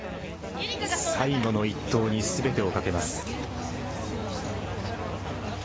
最後の一投にすべてをかけます。